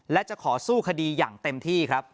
และจะขอสู้คดีอย่างเต็มที่ครับ